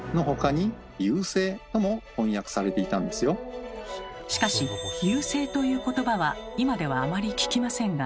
ちなみにしかし「遊星」という言葉は今ではあまり聞きませんが。